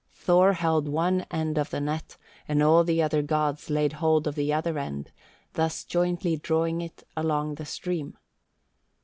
Thor held one end of the net, and all the other gods laid hold of the other end, thus jointly drawing it along the stream.